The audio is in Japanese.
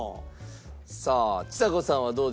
さあちさ子さんはどうですか？